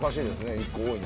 １個多いな」